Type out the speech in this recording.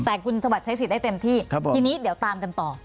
แต่คุณจังหวัดใช้สิทธิ์ได้เต็มที่ทีนี้เดี๋ยวตามกันต่อ